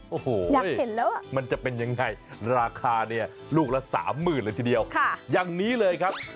โอ้โหมันจะเป็นยังไงราคาลูกละ๓๐๐๐๐เลยทีเดียวอย่างนี้เลยครับ